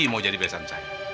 tidak mau jadi bebasan saya